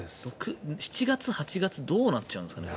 ７月、８月どうなっちゃうんですかね。